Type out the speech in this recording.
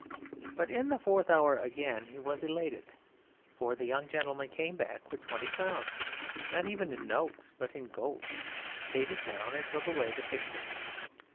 But in the fourth hour again he was elated, for the young gentleman came back with twenty pounds, not even in notes but in gold, paid it down, and took away the picture.